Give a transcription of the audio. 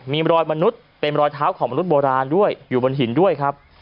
มีรอยมนุษย์เป็นรอยเท้าของมนุษย์โบราณด้วยอยู่บนหินด้วยครับ